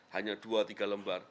hanya dua tiga lembar